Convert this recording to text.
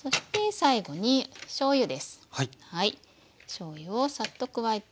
しょうゆをサッと加えて。